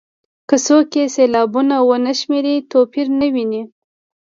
که څوک یې سېلابونه ونه شمېري توپیر نه ویني.